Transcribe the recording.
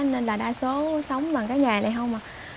nên là đa số sống bằng cái nhà này không ạ